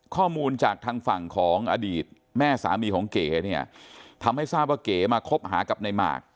ข้อมูลจากทางฝั่งของอดีตแม่สามีของเก๋เนี่ยทำให้ทราบว่าเก๋มาคบหากับในหมาก